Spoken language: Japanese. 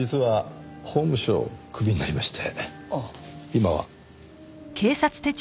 今は。